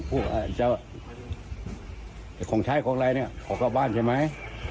พวกของใช้ของอะไรเนี่ยของข้าวบ้านใช่ไหม